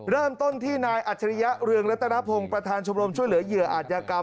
เริ่มต้นที่นายอัจฉริยะเรืองรัตนพงศ์ประธานชมรมช่วยเหลือเหยื่ออาจยากรรม